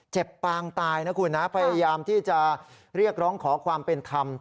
ปางตายนะคุณนะพยายามที่จะเรียกร้องขอความเป็นธรรม